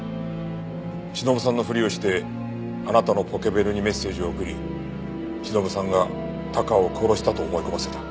しのぶさんのふりをしてあなたのポケベルにメッセージを送りしのぶさんがタカを殺したと思い込ませた。